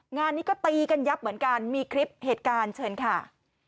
งานนี้ก็ตีกันยับเหมือนกันมีคลิปเหตุการณ์เชิญค่ะ